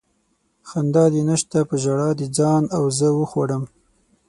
خندا دې نشته په ژړا دې ځان او زه وخوړم